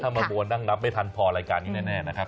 ถ้ามามัวนั่งนับไม่ทันพอรายการนี้แน่นะครับ